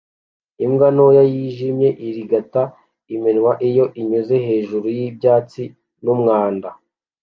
Imbwa ntoya yijimye irigata iminwa iyo inyuze hejuru y'ibyatsi n'umwanda